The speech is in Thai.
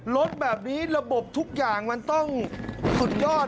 รถแบบนี้ระบบทุกอย่างมันต้องสุดยอด